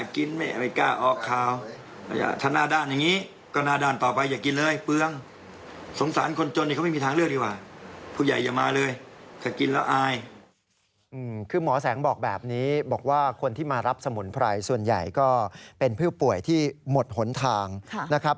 คือหมอแสงบอกแบบนี้บอกว่าคนที่มารับสมุนไพรส่วนใหญ่ก็เป็นผู้ป่วยที่หมดหนทางนะครับ